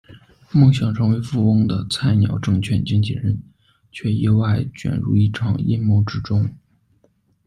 梦想成为富翁的菜鸟证券经纪人，却意外卷入一场阴谋之中。